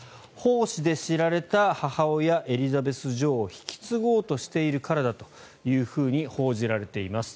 奉仕で知られた母親エリザベス女王を引き継ごうとしているからだと報じられています。